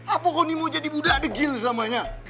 apa kau ini mau jadi budak degil selamanya